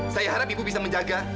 saya harap ibu bisa menjaga